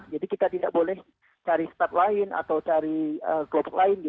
jadi kita tidak boleh cari start lain atau cari kelompok lain